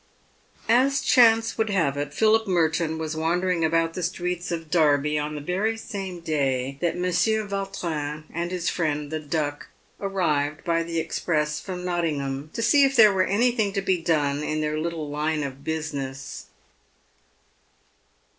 As chance would have it, Philip Merton was wandering about the streets of Derby on the very same day that Monsieur Yautrin and his friend, the Duck, arrived by the express from Nottingham, to see if there were anything to be done in their little line of business.